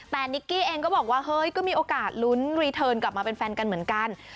แต่นิกกี้เองก็บอกว่าเฮ้ยก็มีโอกาสลุ้นรีเทิร์นกลับมาเป็นแฟนกันเหมือนกัน